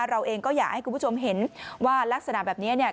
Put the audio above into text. เราเองก็อยากให้คุณผู้ชมเห็นว่ารักษณะแบบนี้เนี่ย